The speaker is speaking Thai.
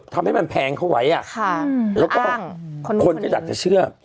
ทำให้มันแพงเข้าไว้แล้วก็คนก็อยากจะเชื่อ